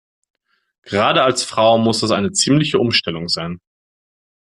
Gerade als Frau muss das eine ziemliche Umstellung sein.